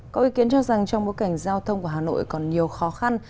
có ý kiến cho rằng trong bối cảnh giao thông của hà nội còn nhiều khó khăn